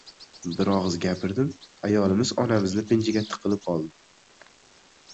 Bir og‘iz gapirdim— ayolimiz onamizni pinjiga tiqilib o‘tirib oldi.